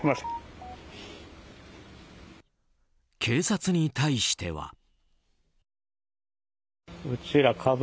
警察に対しては。